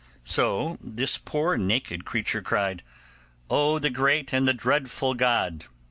So this poor naked creature cried, 'Oh, the great and the dreadful God!